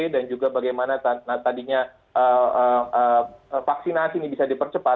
dan juga bagaimana tadinya vaksinasi ini bisa dipercepat